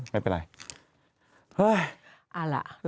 ไม่เป็นไร